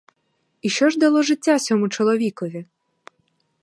І що ж дало життя сьому чоловікові?